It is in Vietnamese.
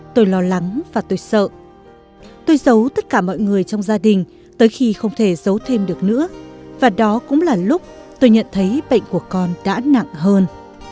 tôi lo lắng và tôi sợ tôi giấu tất cả mọi người trong gia đình tới khi không thể giấu thêm được nữa và đó cũng là lúc tôi nhận thấy bệnh của con đã nặng hơn